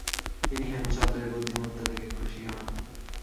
তিনি হেমচন্দ্রের বুদ্ধিমত্তা দেখে খুশি হন।